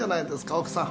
奥さん。